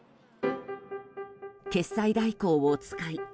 決済代行を使い